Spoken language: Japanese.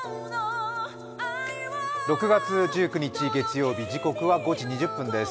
６月１９日月曜日、時刻は５時２０分です